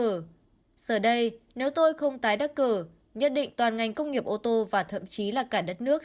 giờ đây nếu tôi không tái đắc cử nhất định toàn ngành công nghiệp ô tô và thậm chí là cả đất nước